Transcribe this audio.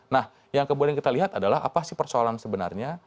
nah yang kemudian kita lihat adalah apa sih persoalan sebenarnya